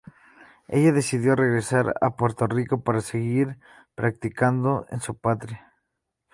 Ella decidió regresar a Puerto Rico para seguir practicando en su patria.